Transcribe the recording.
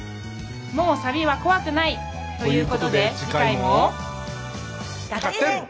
もうサビは怖くない。ということで次回も。